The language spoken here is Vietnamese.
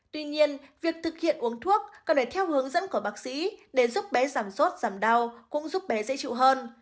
tuy nhiên việc thực hiện uống thuốc cần phải theo hướng dẫn của bác sĩ để giúp bé giảm sốt giảm đau cũng giúp bé dễ chịu hơn